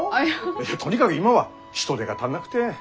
とにかぐ今は人手が足んなくて。